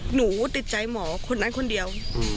หนูติดใจหมอคนนั้นคนเดียว